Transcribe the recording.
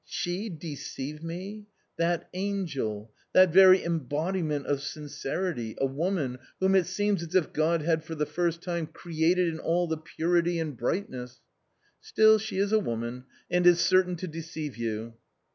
" She deceive me ! That angel, that very embodiment of sincerity, a woman, whom it seems as if God had for the first time created in all the purity and brightness "^" Still she is a woman, and is certain to deceive you."